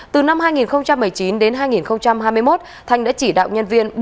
từ năm hai nghìn một mươi chín đến hai nghìn hai mươi một thanh đã chỉ đạo nhân viên